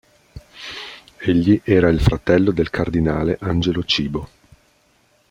Egli era il fratello del cardinale Angelo Cybo.